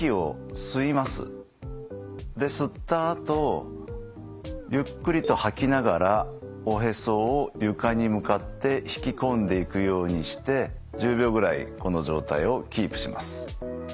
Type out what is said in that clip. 吸ったあとゆっくりと吐きながらおへそを床に向かって引き込んでいくようにして１０秒ぐらいこの状態をキープします。